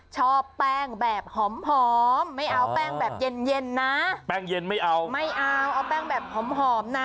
ชอบแป้งแบบหอมหอมไม่เอาแป้งแบบเย็นเย็นนะแป้งเย็นไม่เอาไม่เอาเอาแป้งแบบหอมนะ